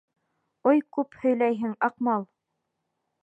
Ой күп һөйләйһең, Аҡмал.